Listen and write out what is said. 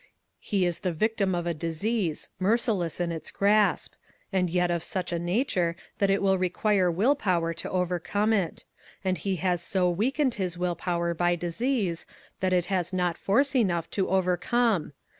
He is the victim of a disease, merciless in its grasp, and yet of such a nature that it will require will power to overcome it; and he has so weakened his will power by disease that it has not force enough to overcome.